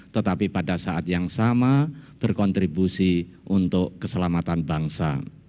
tetapi pada saat yang sama berkontribusi untuk keselamatan bangsa